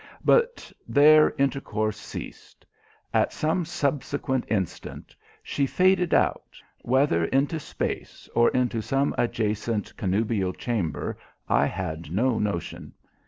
But there intercourse ceased. At some subsequent instant she faded out whether into space or into some adjacent connubial chamber, I had no notion.